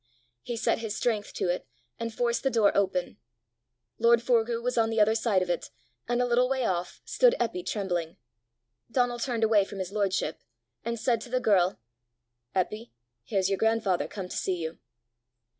He set his strength to it, and forced the door open. Lord Forgue was on the other side of it, and a little way off stood Eppy trembling. Donal turned away from his lordship, and said to the girl, "Eppy, here's your grandfather come to see you!"